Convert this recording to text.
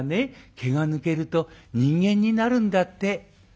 毛が抜けると人間になるんだって」。